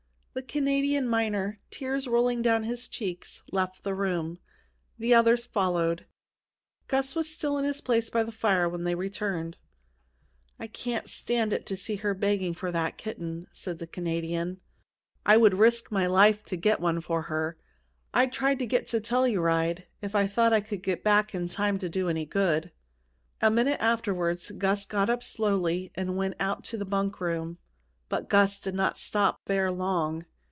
The Canadian miner, tears rolling down his cheeks, left the room. The others followed. Gus was still in his place by the fire when they returned. "I can't stand it to see her begging for that kitten," said the Canadian. "I would risk my life to get one for her. I'd try to get to Telluride, if I thought I could get back in time to do any good." A minute afterwards Gus got up slowly and went out to the bunk room. But Gus did not stop there long.